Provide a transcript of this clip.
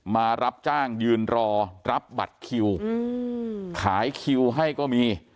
มารับจ้างยืนรอรับบัตรคิวขายคิวให้ก็มี